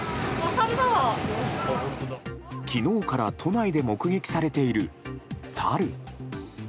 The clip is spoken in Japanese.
昨日から都内で目撃されているサル。